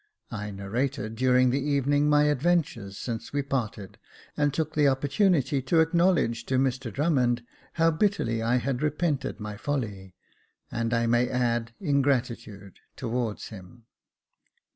I narrated, during the even ing, my adventures since we parted, and took that oppor tunity to acknowledge to Mr Drummond how bitterly I had repented my folly, and I may add ingratitude, towards him.